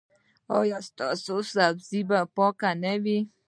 ایا ستاسو سبزي به پاکه نه وي؟